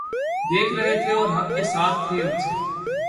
دیکھ رہے تھے اور حق کے ساتھ تھے ان سے